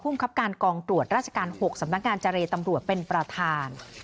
ครับการกองตรวจราชการ๖สำนักงานเจรตำรวจเป็นประธาน